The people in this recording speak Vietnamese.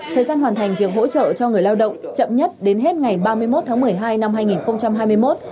thời gian hoàn thành việc hỗ trợ cho người lao động chậm nhất đến hết ngày ba mươi một tháng một mươi hai năm hai nghìn hai mươi một